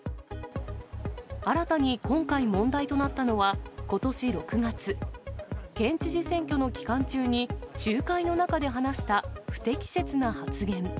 新たに今回問題となったのは、ことし６月、県知事選挙の期間中に、集会の中で話した不適切な発言。